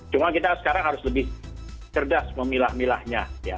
cuma kita sekarang harus lebih cerdas memilah milahnya